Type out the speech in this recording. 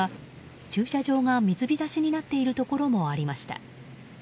駐車場が水浸しになっているところが見られました。